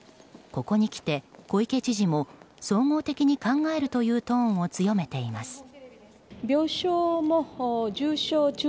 ここにきて小池知事も総合的に考えるというトーンを強めています。